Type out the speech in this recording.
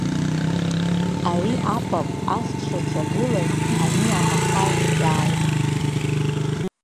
Ари апап ас дшыгҿагылаз ани амаҳал дааит.